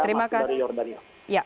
terima kasih dari jordania